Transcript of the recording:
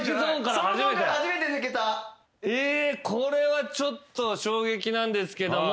えこれはちょっと衝撃なんですけども。